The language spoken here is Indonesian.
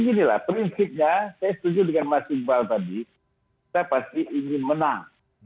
karena saya setuju dengan mas iqbal tadi saya pasti ingin menang